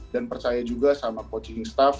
dan percaya juga sama coaching staff